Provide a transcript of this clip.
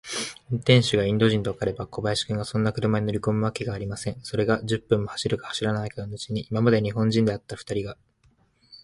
運転手がインド人とわかれば、小林君がそんな車に乗りこむわけがありません。それが、十分も走るか走らないうちに、今まで日本人であったふたりが、